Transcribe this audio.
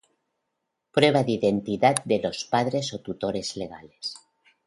Prueba de identidad de los padres o tutores legales: